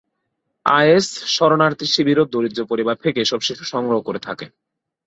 Is শরণার্থীশিবির ও দরিদ্র পরিবার থেকে এসব শিশু সংগ্রহ করে থাকে।